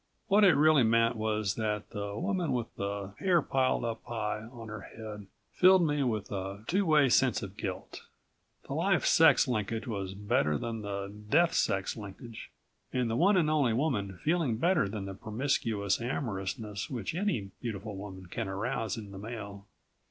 What it really meant was that the woman with the hair piled up high on her head filled me with a two way sense of guilt. The life sex linkage was better than the death sex linkage, and the one and only woman feeling better than the promiscuous amorousness which any beautiful woman can arouse in the male.